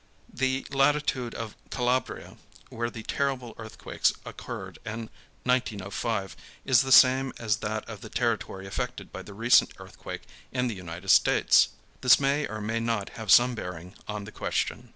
The latitude of Calabria, where the terrible earthquakes occurred in 1905, is the same as that of the territory affected by the recent earthquake in the United States. This may or may not have some bearing on the question.